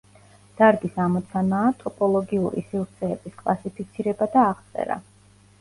დარგის ამოცანაა ტოპოლოგიური სივრცეების კლასიფიცირება და აღწერა.